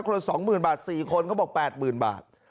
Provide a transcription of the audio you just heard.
คนละสองหมื่นบาทสี่คนเขาบอกแปดหมื่นบาท